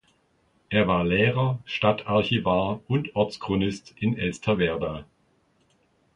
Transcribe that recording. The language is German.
Er war Lehrer, Stadtarchivar und Ortschronist in Elsterwerda.